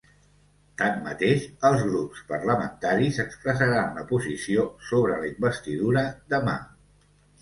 Tanmateix, els grups parlamentaris expressaran la posició sobre la investidura demà.